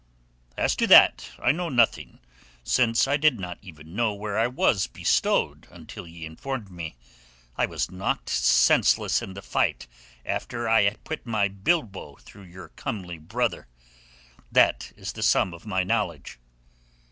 "As to that I know nothing, since I did not even know where I was bestowed until ye informed me. I was knocked senseless in the fight, after I had put my bilbo through your comely brother. That is the sum of my knowledge."